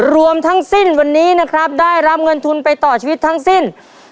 รวมทั้งสิ้นวันนี้นะครับได้รับเงินทุนไปต่อชีวิตทั้งสิ้น